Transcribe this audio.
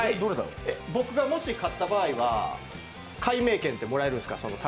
僕がもし勝った場合は改名権ってもらえるんですか？